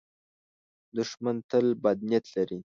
دښمن تل بد نیت لري